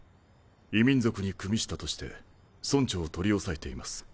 異民族にくみしたとして村長を取り押さえています。